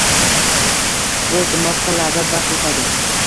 Xushbo‘y dimoqqa lazzat baxsh etadi.